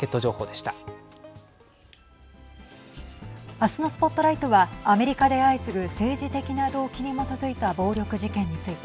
明日のＳＰＯＴＬＩＧＨＴはアメリカで相次ぐ政治的な動機に基づいた暴力事件について。